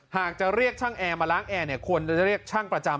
หากจะเรียกช่างแอร์มาล้างแอร์เนี่ยควรจะเรียกช่างประจำ